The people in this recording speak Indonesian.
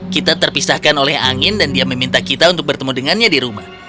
kita terpisahkan oleh angin dan dia meminta kita untuk bertemu dengannya di rumah